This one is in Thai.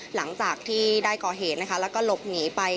หลังจากได้เกาะเหตุและหลบหนีไป